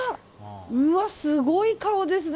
うわ、すごい顔ですね。